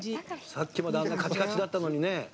さっきまであんなカチカチだったのに。